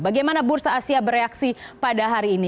bagaimana bursa asia bereaksi pada hari ini